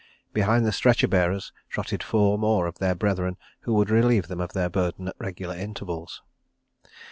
Behind the stretcher bearers trotted four more of their brethren who would relieve them of their burden at regular intervals.